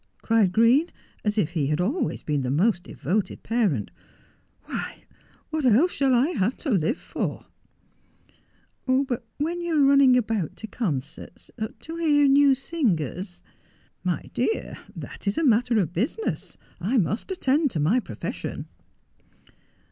cried Green, as if he had always been the most devoted parent, ' why, what else shall I have to live for 1 '' But when you are running about to concerts, to hear new singers '' My dear, that is a matter of business. I must attend to my profession.'